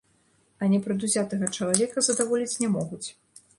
А непрадузятага чалавека задаволіць не могуць.